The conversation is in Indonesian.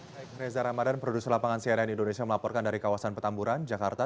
baik reza ramadan produser lapangan cnn indonesia melaporkan dari kawasan petamburan jakarta